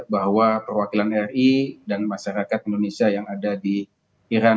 bahwa perwakilan ri dan masyarakat indonesia yang ada di iran